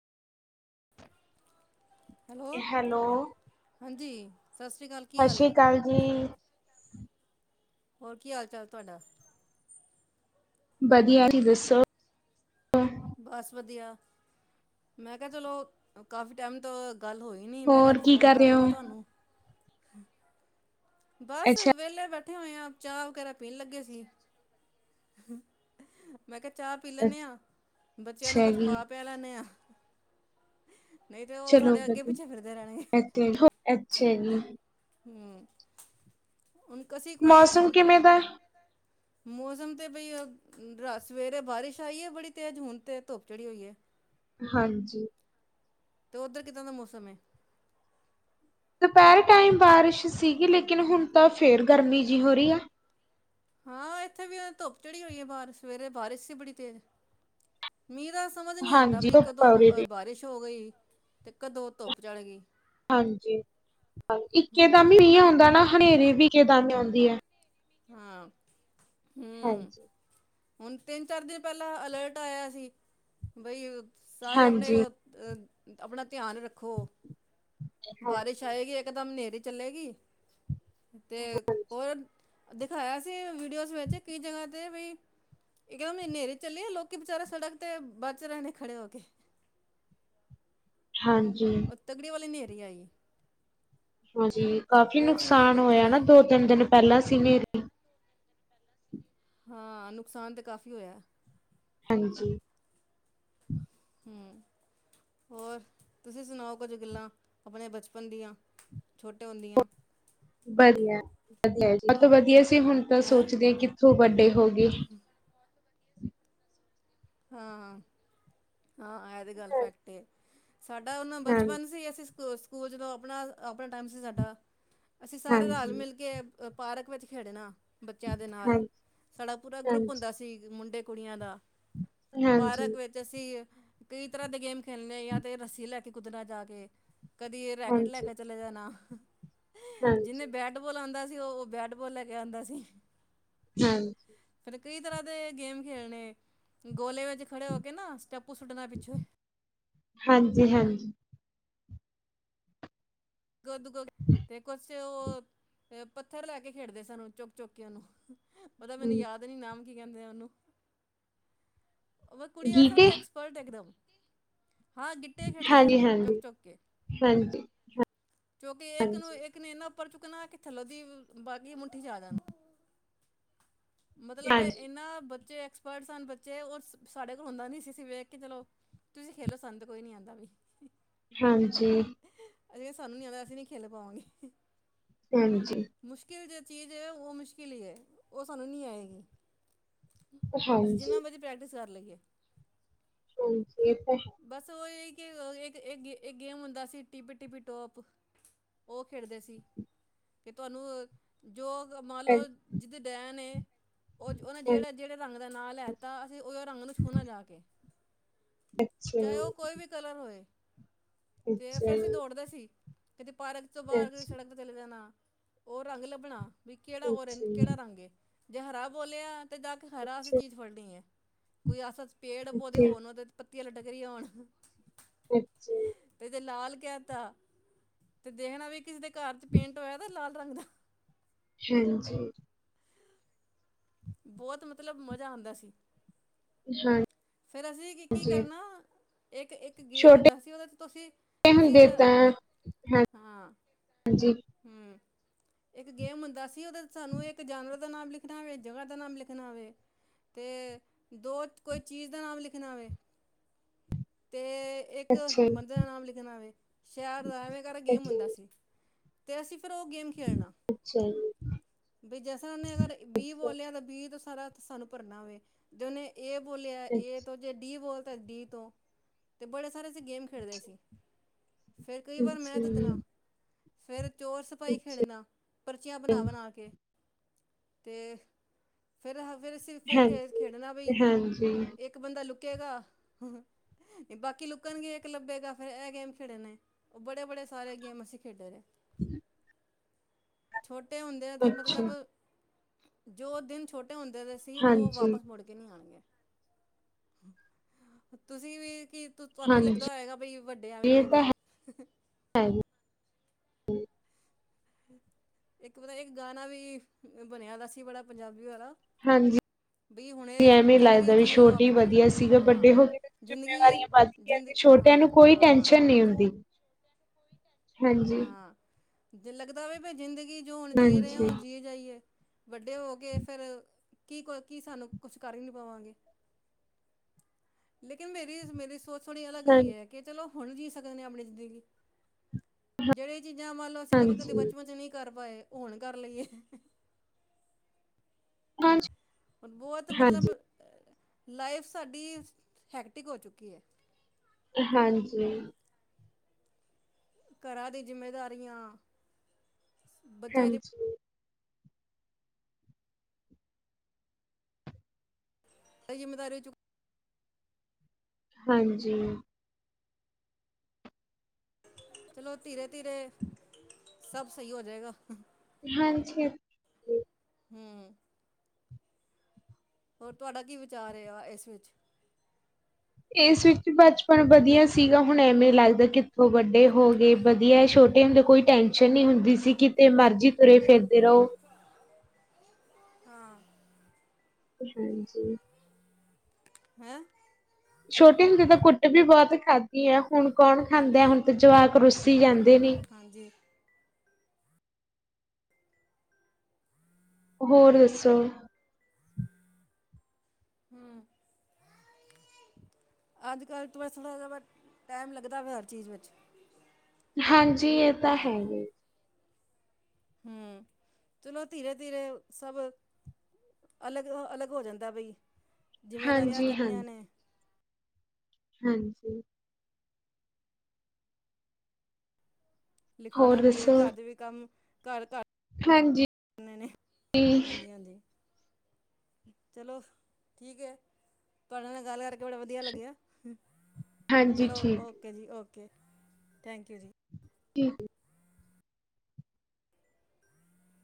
Hello! Hello, ਹਾਂਜੀ ਸਤਿ ਸ੍ਰੀ ਕਾਲ ਕੀ ਹਾਲ ਏ? ਹਾਂਜੀ। ਹੋਰ ਕੀ ਹਾਲ ਚਾਲ ਤੁਆਡਾ? ਬਦੀਆ ਤੁਸੀਂ ਦੱਸੋ? ਬਸ ਵਦੀਆ ਮੈਂ ਕਿਆ ਚਲੋ ਕਾਫੀ ਟੈਮ ਤੋਂ ਗੱਲ ਹੋਈ ਨੀ ਮੈਂ ਕਿਆ ਹੋਰ ਆੱਜ ਕੀ ਫੋਨ ਕਰ ਰਹੇ ਹੋ? ਲਵਾ ਤੁਆਨੂੰ ਬਸ ਅੱਛਾ ਵੇਲੇ ਬੈਠੇ ਹੋਏ ਆ ਚਾਹ ਵਗੈਰਾ ਪੀਣ ਲੱਗੇ ਸੀ। ਮੈਂ ਕਿਆ ਚਾਹ ਪੀ ਲੈਨੇ ਆ ਬੱਚਿਆਂ ਨੂੰ ਅੱਛਾ ਕੁੱਝ ਜੀ, ਖਵਾ ਪਿਆ ਲੈਨੇ ਆ। ਨਈ ਤੇ ਓ ਚਲੋ ਸਾਡੇ ਅੱਗੇ ਪਿੱਛੇ ਵਧੀਆ ਫਿਰਦੇ ਰੈਨਗੇ। ਅੱਛਾ ਜੀ। ਹੂੰ ਹੁਣ ਕਸੀ ਕੋਈ ਮੌਸਮ ਕਿਵੇਂ ਦਾ? ਮੌਸਮ ਤੇ ਬਈ ਰਾ ਸਵੇਰੇ ਬਾਰਿਸ਼ ਆਈ ਏ ਬੜੀ ਤੇਜ਼ ਹੁਣ ਤੇ ਧੁੱਪ ਚੜ੍ਹੀ ਹੋਈ ਏ। ਹਾਂਜੀ। ਅਤੇ ਓੱਧਰ ਕਿੱਦਾਂ ਦਾ ਮੌਸਮ ਏ? ਦੋਪੈਰੇ ਟਾਈਮ ਬਾਰਿਸ਼ ਸੀਗੀ ਲੇਕਿਨ ਹੁਣ ਤਾਂ ਫੇਰ ਗਰਮੀ ਜੀ ਹੋ ਰੀ ਐ। ਹਾਂ ਇੱਥੇ ਵੀ ਓ ਧੁੱਪ ਚੜ੍ਹੀ ਹੋਈ ਏ ਬਾਰ ਸਵੇਰੇ ਬਾਰਿਸ਼ ਸੀ ਬੜੀ ਤੇਜ਼ ਮ੍ਹੀ ਦਾ ਸਮਝ ਨੀ ਆਂਦਾ ਹਾਂਜੀ ਵੀ ਧੁੱਪ ਆ ਕਦੋਂ ਉਰੇ ਅ ਵੀ। ਬਾਰਿਸ਼ ਹੋ ਗਈ ਤੇ ਕਦੋਂ ਧੁੱਪ ਚੜ ਗੀ। ਹਾਂਜੀ ਇੱਕੇ ਦਾੱਮ ਮ੍ਹੀ ਆਂਦਾ ਨਾ ਹਨੇਰੀ ਵੀ ਇੱਕ ਦਮ ਆਂਓਦੀ ਐ। ਹਾਂ ਹੂੰ। ਹਾਂਜੀ। ਹੁਣ ਤਿੰਨ ਚਾਰ ਦਿਨ ਪੈਲਾਂ ਅਲਰਟ ਆਇਆ ਸੀ ਬਈ ਸਾਰੇ ਅਪਣੇ ਹਾਂਜੀ। ਅ ਅਪਣਾ ਧਿਆਨ ਰੱਖੋ ਬਾਰਿਸ਼ ਹਾਂਜੀ, ਆਏਗੀ ਏਕਦਮ ਨੇਰੀ ਚਲੇੇਗੀ, ਤੇ ਓਰ ਦਿਖਾਏਆ ਸੀ ਤੇ ਓਸ ਵਿੱਚ ਕਈ ਜਗਾ ਤੇ ਬਈ, ਇਕ ਦਮ ਅਨੇਰੇ ਚੱਲੀ ਏ ਲੋਕੀ ਬਿਚਾਰੇ ਸੜਕ ਤੇ ਬਚ ਰਏ ਨੇ ਖੜੇ ਹੋ ਕੇ। ਹਾਂਜੀ। ਉਹ ਤਗੜੀ ਵਾਲੀ ਨੇੇਰੀ ਆਈ ਏ। ਹਾਂਜੀ ਕਾਫੀ ਹੋਰ ਸੁਣਾਓ ਨੁਕਸਾਨ ਕੁਛ ਹੋਏਆ ਥੋੜ੍ਹਾ ਨਾ ਦੋ-ਤਿੰਨ ਦਿਨ ਪੈਲਾ ਸੀ ਨੇਰ ਹਾਂ ਨੁਕਸਾਨ ਤੇ ਕਾਫੀ ਓਯੈ। ਹਾਂਜੀ। ਹੂੰ, ਹੋਰ ਤੁਸੀ ਸੁਨਾਓ ਕੋਝ ਗੱਲਾ ਅਪਨੇ ਬਚਪਨ ਦੀਆਂ। ਛੋਟੇ ਹੋਂਦੀਆਂ। ਵਦੀਆ [unintelligible] ਵਦੀਆ ਸੀ ਹੁਨ ਤਾ ਹੈਂ ਸੋਚਦੇ ਕਿੱਥੋ ਵੱਡੇ ਹੋ ਗੇ। [inaudible] ਹਾਂ, ਹਾਂ ਐ ਤੇ ਗਾੱਲ ਫੈਕਟ ਏ ਸਾਡਾ ਓਨਾ ਹਾਂ ਬਚਪਨ ਸੀ ਅਸੀ ਸ ਕ ਸਕੂਲ ਜਦੋ ਅਪਣਾ-ਅਪਣਾ ਟਾਈਮ ਸੀ ਸਾਡਾ, ਅਸੀ ਸਾਰੇ ਰਾਲ ਹਾਂਜੀ ਮਿਲ ਕੇ ਪਾਰਕ ਵੇਚ ਖੇਡਣਾ। ਬੱਚੇਆਂ ਦੇ ਨਾਲ, ਹਾਂਜੀ ਸਾਡਾ ਪੂਰਾ ਗਰੁੱਪ ਹਾਂਜੀ ਓਂਦਾ ਸੀ ਮੁੰਡੇ ਕੁੜੀਆਂ ਦਾ। ਹਾਂਜੀ ਪਾਰਕ ਵੇਚ ਅਸੀ, ਕਈ ਤਰਾ ਦੇ ਗੇਮ ਖੇਲਨੇ ਯਾ ਤੇ ਰੱਸੀ ਲੈ ਕੇ ਕੁੱਦਨਾ ਜਾ ਕੇ। ਕਦੀ ਰੈਕਿਟ ਲੈ ਹਾਂਜੀ ਕੇ ਚਲੇ ਜਾਨਾ, ਜਿਨੇ ਹਾਂਜੀ ਬੈ ਬੈਟ ਬੋਲ ਆਂਦਾ ਸੀ ਓ ਬੈਟਬੋਲ ਲੈ ਕੇ ਆਂਦਾ ਸੀ। ਹੂੰ। ਫੇਰ ਕਈ ਤਰਾ ਦੇ ਗੇਮ ਖੇਲਨੇ, ਗੋਲੇ ਵੇਚ ਖੜ੍ਹੇ ਹੋ ਕੇ ਨਾ ਸਟੈਪੂ ਸੁੱਟਣੈ ਪਿੱਛੇ। ਹਾਂਜੀ-ਹਾਂਜੀ। ਗੋਦ [unintelligible] ਤੇ ਕੋਛ ਓ ਪੱਥਰ ਲੈ ਕੇ ਖੇਡਦੇ ਸੱਨ ਚੋਕ-ਚੋਕ ਕੇ ਓਨੂੰ ਓਦਾ ਮੈਨੂੰ ਹਾਂਜੀ ਯਾਦ ਨੀ ਨਾਮ ਕੀ ਕੈਂਦੇ ਆ ਓਨੂੰ। ਓਵੇ ਕੁੜੀਆਂ ਸਾ ਤਾ ਗੀਤੇ ਐਕਸਪਰਟ ਏਕਦਮ ਹਾਂ ਗਿੱਟੇ ਖੇਡਦੇ ਹਾਂਜੀ ਸੱਨ ਹਾਂਜੀ ਚੋਕ-ਚੋਕ ਕੇ, ਹਾਂਜੀ ਕਯੋਕਿ ਏਕ ਨੂੰ ਹਾਂਜੀ ਏਕ [unintelligible] ਪਰ ਚੁੱਕਨਾ ਕਿ ਥੱਲੋ ਦੀ ਬਾਕੀ ਦੇ ਮੁੱਠੀ ਇਚ ਆ ਜਾਨ ਮਤਲਬ ਹਾਂਜੀ ਏਨਾ ਬੱਚੇ ਐਕਸਪਰਟ ਸਨ ਬੱਚੇ ਔਰ ਸਾਡੇ ਕੋਲ ਹੋਂਦਾ ਨੀ ਸੀ ਅਸੀ ਵੇਖ ਕੇ ਚੱਲੋ, ਤੁਸੀ ਖੇਲੋ ਸਾਨੂੰ ਤੇ ਕੋਈ ਨੀ ਆਂਦਾ ਬਈ ਹਾਂਜੀ। ਅਜੇ ਸਾਨੂੰ ਨੀ ਆਂਦਾ ਅਸੀ ਨੀ ਖੇਲ ਪਾਵਾਗੇ। ਹਾਂਜੀ। ਮੁਸ਼ਕਿਲ ਜੇ ਚੀਜ ਏ ਓ ਮੁਸ਼ਕਿਲ ਈ ਏ ਓ ਸਾਨੂੰ ਨੀ ਆਏਗੀ। ਅਸੀ ਜਿਨਾ ਹਾਂਜੀ ਮਰਜੀ ਪ੍ਰੈਕਟਿਸ ਕਰ ਲਈਏ। ਹਾਂਜੀ ਏ ਤਾ ਬਸ ਓ ਈ ਏ ਕਿ ਏਕ, ਏਕ, ਏਕ ਗੇਮ ਓਂਦਾ ਸੀ ਟਿੱਪੀ- ਟਿੱਪੀ ਟੋਪ ਓ ਖੇਡਦੇ ਸੀ ਕਿ ਤੁਆਨੂੰ ਜੋ ਮਾੱਨ ਲੋ ਹੈ ਜਿਦੇ ਡੈਨ ਏ, ਓ ਓਨੇ ਜੇੜੇ ਜੇੜੇ ਰਾੰਗ ਦਾ ਨਾਂ ਲੈਤਾ ਅਸੀ ਓਦਾ ਰੰਗ ਨੂੰ ਛੂਨਾ ਜਾ ਕੇ। [inaudible] ਚਾਏ ਓ ਕੋਈ ਵੀ ਕਲਰ ਹੋਏ। ਤੇ ਅੱਛਾ ਫੇਰ ਅਸੀ ਦੌੜਦੇ ਸੀ, ਕਦੀ ਪਾਰਕ ਤੋ ਬਾਰ ਕਦੀ ਅੱਛਾ ਸੜਕ ਚਲੇ ਜਾਨਾ, ਓ ਰੰਗ ਲੱਭਣਾ ਬਈ ਕੇੜਾ ਓਰੇਜ ਅੱਛਾ ਕੇੜਾ ਰੰਗ ਏ ਜੇ ਹਰਾ ਬੋਲੇਆ ਤੇ ਜਾ ਕੇ ਹਰਾ ਅਸੀ ਅੱਛਾ ਚੀਜ ਫੜਣੀ ਏ, ਕੋਈ ਆ ਸੱਚ ਪੇੜ ਪੌਦੇ ਹੋਨ ਅੱਛਾ ਓਦੇ ਤੇ ਪੱਤੀਆ ਲਟਕ ਰਈਆ ਹੋਣ। ਅੱਛਾ। ਤੇ ਜੇ ਲਾਲ ਕੇਹਿ ਤਾ ਤੇ ਦੇਖਣਾ ਵੀ ਕਿਸੇ ਦੇ ਘਰ ਚ' ਪੇਂਟ ਹੋਏਆ ਤ ਲਾਲ ਰੰਗ ਦਾ, ਹਾਂਜੀ। ਬੋਤ ਮਤਲਬ ਮਜ਼ਾ ਆਂਦਾ ਸੀ। ਅੱਛਾ। ਫੇਰ ਅਸੀਂ ਕੀ- ਕੀ ਕਰਨਾ ਇੱਕ -ਇੱਕ, ਇੱਕ ਗੇਮ ਹੁੰਦਾ ਛੋਟੇ ਸੀ, ਉਹਦੇ ਚ ਤੁਸੀਂ -ਤੁਸੀਂ ਹੁੰਦੇ ਤਾਂ ਅ ਹਾਂ। ਹਾਂਜੀ। ਹਮ ਇੱਕ ਗੇਮ ਹੁੰਦਾ ਸੀ, ਉਹਦੇ ਚ ਸਾਨੂੰ ਇੱਕ ਜਾਨਵਰ ਕਿਦਾ ਨਾਮ ਲਿਖਣਾ ਹੋਵੇ, ਜਗ੍ਹਾ ਦਾ ਨਾਮ ਲਿਖਣਾ ਹੋਵੇ, ਤੇ ਦੋ ਕੋਈ ਚੀਜ਼ ਦਾ ਨਾਮ ਲਿਖਣਾਵੇ ਤੇ ਇੱਕ ਅੱਛਾ ਜੀ ਬੰਦੇ ਦਾ ਨਾਮ ਲਿਖਣਾਵੇ ਸ਼ਾਇਦ, ਐਵੇਂ ਕਰਕੇ ਗੇਮ ਅੱਛਾ ਜੀ ਹੁੰਦਾ ਸੀ। ਤੇ ਅਸੀਂ ਫਿਰ ਉਹ ਗੇਮ ਖੇਡਣਾ। ਅੱਛਾ ਜੀ ਵੀ ਜੈਸੇ ਉਹਨੇ ਅਗਰ ਵੀਹ ਬੋਲਿਆ, ਤਾਂ ਵੀਹ ਤੇ ਸਾਰਾ ਸਾਨੂੰ ਭਰਨਾ ਵੇ, ਜ ਓਹਨੇ ਏ ਬੋਲੇਆ ਏ ਅੱਛਾ ਤੋਂ, ਜੇ ਡੀ ਬੋਲਤਾ ਡੀ ਤੋਂ ਤੇ ਬੜੇ ਸਾਰੇ ਅਸੀਂ ਗੇਮ ਖੇਡਦੇ ਸੀ, ਫਿਰ ਕਈ ਵਾਰ ਮੈਂ ਅੱਛਾ ਜੀ ਜਿੱਤਣਾ ਫੇਰ ਚੋਰ ਸਪਾਹੀ ਅੱਛਾ ਖੇਲਣਾ ਪਰਚੀਆਂ ਬਣਾ -ਬਣਾ ਕੇ। ਫੇਰ ਫੇਰ ਹਾ ਫੇਰ ਅਸੀ -ਫੇਰ ਖੇਡ ਹਾਂਜੀ ਖੇਡਣਾ ਬਈ ਹਾਂਜੀ ਇੱਕ ਬੰਦਾ ਲੁਕੇਗਾ, ਨਹੀਂ ਬਾਕੀ ਲੋਕਾਂ ਨੂੰ ਇੱਕ ਲੱਭੇਗਾ ਫੇਰ ਇਹ ਗੇਮ ਖੇਡ ਨੇ, ਬੜੇ- ਬੜੇ ਸਾਰੇ ਗੇਮ ਅਸੀਂ ਖੇਡੇ ਨੇ, ਛੋਟੇ ਹੁੰਦੇ ਤੇ ਅੱਛਾ ਮਤਲਬ, ਜੋ ਦਿਨ ਛੋਟੇ ਹੁੰਦੇ ਸੀ, ਉਹ ਹਾਂਜੀ ਵਾਪਸ ਮੁੜ ਕੇ ਨੀ ਆਣਗੇ, ਤੁਸੀਂ ਵੀ ਕੀ ਤੁਹਾਨੂੰ ਵੀ ਹਾਂਜੀ ਲੱਗਦਾ ਹੋਏਗਾ, ਬਈ ਵੱਡੇ ਐਵੇ ਹੋ ਗਏ ਹ ਹਾਂ [inaudible] ਇੱਕ ਪਤਾ ਇੱਕ ਗਾਣਾ ਵੀ ਬਣਿਆ ਦਾ ਸੀ, ਬੜਾ ਪੰਜਾਬੀ ਵਾਲਾ। ਹਾਂਜੀ। ਬਈ ਹੁਣੇ ਤੇ ਐਵੇਂ ਜ਼ਿੰਦਗੀ ਲੱਗਦਾ ਵੀ ਜੀ ਲਓ ਛੋਟੇ ਆਪਣੀ ਵਧੀਆ ਸੀਗਾ, ਹਾਂ ਵੱਡੇ ਹੋ ਗਏ ਜ਼ਿੰਦਗੀ ਜਿੰਮੇਵਾਰੀਆਂ ਵੱਧ ਜ਼ਿੰਦ ਕਿਉਕੀ, ਛੋਟਿਆਂ ਹਾਂ ਨੂੰ ਕੋਈ ਹਾਂ ਟੈਨਸ਼ਨ ਨਈ ਹੁੰਦੀ। ਹਾਂਜੀ ਹਾਂ, ਦਿਲ ਲੱਗਦਾ ਵੈ, ਬਈ ਜ਼ਿੰਦਗੀ ਜੋ ਹੁਣ ਜੀ ਰਹੇ ਆ ਹਾਂਜੀ ਓ ਜੀ ਸਈ-ਏ ਵੱਡੇ ਹੋ ਕੇ, ਫੇਰ ਕੀ? ਕੋ, ਕੀ ਸਾਨੂੰ ਕੁਛ ਕਰ ਵੀ ਪਾਵਾਂਗੇ। ਲੇਕਿਨ, ਮੇਰੀ- ਮੇਰੀ ਸੋਚ ਥੋੜ੍ਹੀ ਅਲੱਗ ਹਾਂ ਜੇਈ ਏ, ਕੇ‌ ਚਲੋ ਹੁਣ ਜੀਅ ਸਕਦੇ ਆ ਆਪਣੀ ਜ਼ਿੰਦਗੀ, ਜੇਹੜੇ ਚੀਜ਼ਾਂ ਮੰਨ ਲਓ ਅਸੀ ਕਦੇ-ਕਦੇ ਹਾਂਜੀ ਬਚਪਨ ਚ ਨੀ ਕਰ ਪਾਏ ਓ, ਹੁਣ ਕਰ ਲਈਏ, ਹਾਂਜੀ। ਹੁਣ ਬੋਤ ਮਤਲਬ, ਹਾਂਜੀ ਲਾਈਫ ਸਾਡੀ ਹੈਕਟਿਕ ਹੋ ਚੁੱਕੀ ਏ, ਹਾਂਜੀ। ਘਰਾਂ ਦੀ ਜਿੰਮੇਦਾਰੀਆਂ, ਬੱਚਿਆਂ ਦੀ ਹਾਂਜੀ ਜਿੰਮੇਦਾਰੀ ਚੁੱਕ ਹਾਂਜੀ। ਚਲੋ, ਧੀਰੇ -ਧੀਰੇ ਸਭ ਸਈ ਹੋ ਜਾਏਗਾ। ਹਾਂਜੀ-ਹਾਂਜੀ। ਹੁ [unintelligible] ਹੋਰ, ਤੁਹਾਡਾ ਕੀ ਵਿਚਾਰ ਏ ਆ, ਇਸ ਵਿੱਚ? ਇਸ ਵਿੱਚ ਬਚਪਨ ਵਧੀਆ ਸੀਗਾ, ਹੁਣ ਐਵੇਂ ਲੱਗਦਾ ਕਿੱਥੋਂ ਵੱਡੇ ਹੋ ਗਏ ਵਧੀਆ ਸ਼ ਛੋਟੇ ਹੁੰਦੇ ਕੋਈ ਟੈਂਨਸ਼ਨ ਨੀ ਹੁੰਦੀ ਸੀ ਕਿਤੇ ਮਰਜ਼ੀ ਤੁਰੇ-ਫਿਰਦੇ ਰਓ। ਹਾਂ ਹਾਂਜੀ। ਹੈ। ਛੋਟੇ ਹੁੰਦੇ ਤਾਂ ਕੁੱਟ ਵੀ ਬਹੁਤ ਖਾਧੀ ਆ। ਹੁਣ ਕੌਣ ਹਾਂਜੀ ਖਾਂਦਾ? ਹੁਣ ਤੇ ਜਵਾਕ ਰੁਸੀ ਜਾਂਦੇ ਹੂੰ, ਨੇ। ਹਾਂਜੀ। ਹੋਰ ਦੱਸੋ। ਹੂੰ ਅੱਜ ਕੱਲ੍ਹ ਥੋੜਾ ਸਲੋ ਬਟ ਟੈਮ ਲੱਗਦਾ ਵੈ ਹਰ ਚੀਜ਼ ਵਿੱਚ। ਹਾਂਜੀ, ਏ ਤਾਂ ਹੈਗਾ ਈ। ਹੂੰ, ਚਲੋ ਧੀਰੇ-ਧੀਰੇ ਸਭ ਅਲੱਗ-ਅਲੱਗ ਹੋ ਜਾਂਦਾ ਬਈ, ਜਿੰਮੇਦਾਰੀਆਂ ਕਰਨੀਆਂ ਹਾਂਜੀ-ਹਾਂਜੀ। ਨੇ। ਹਾਂਜੀ। ਲਿਖਾਣਾ ਹੋਰ ਵੀ ਏ, ਦੱਸੋ ਘਰ ਦੇ ਵੀ ਕੰਮ ਘਰ ਘਰ ਹਾਂਜੀ ਨਈ-ਨਈ, ਹਾਂਜੀ-ਹਾਂਜੀ। ਚਲੋ, ਠੀਕ ਏ। ਤੁਆਡੇ ਨਾਲ ਗੱਲ ਕਰਕੇ ਬੜਾ ਵਧੀਆ ਲੱਗਿਆ। ਹਾਂਜੀ ਚਲੋ ਠੀਕ ਓਕੇ ਜੀ, ਓਕੇ। ਥੈਂਕ ਯੂ ਜੀ। ਕੀ ਹੂੰ?